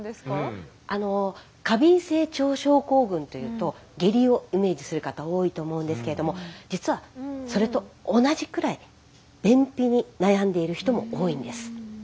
過敏性腸症候群というと下痢をイメージする方多いと思うんですけれども実はそれと同じくらい便秘に悩んでいる人も多いんです。